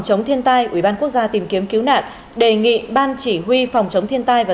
chống thiên tai ubnd quốc gia tìm kiếm cứu nạn đề nghị ban chỉ huy phòng chống thiên tai và